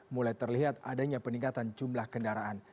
mulai terlihat adanya peningkatan jumlah kendaraan